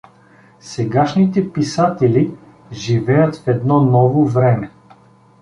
Сегашните писатели живеят в едно ново време.